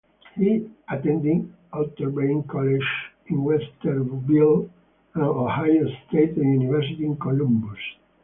He attended Otterbein College in Westerville and Ohio State University in Columbus.